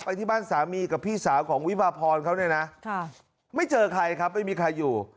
ที่บ้านสามีกับพี่สาวของวิพาพรเขาเนี่ยนะไม่เจอใครครับไม่มีใครอยู่